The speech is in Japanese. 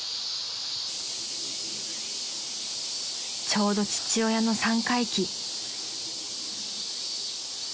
［ちょうど父親の三回忌］